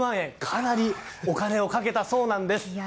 かなりお金をかけたそうなんです。